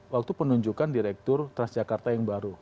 waktu penunjukan direktur transjakarta yang baru